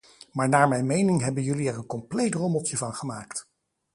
Maar naar mijn mening hebben jullie er een compleet rommeltje van gemaakt.